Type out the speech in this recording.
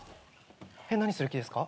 えっ何する気ですか？